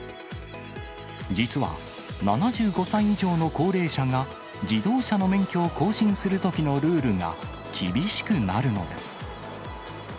実は、７５歳以上の高齢者が自動車の免許を更新するときのルールが厳しくなるのです。